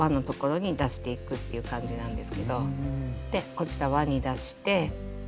こちら輪に出して。